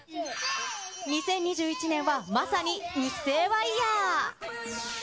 ２０２１年はまさにうっせぇわイヤー。